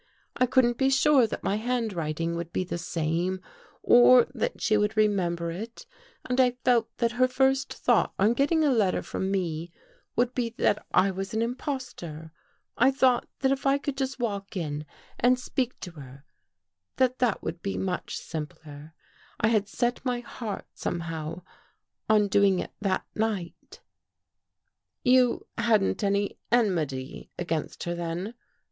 I couldn't be sure that my handwriting would be the same or that she would remember it and I felt that her first thought on getting a letter from me would be that I was an impostor. I thought that if I could just walk in and speak to her, that that would be much simpler. I had set my heart, somehow, on doing it that night." "You — hadn't any enmity against her, then?"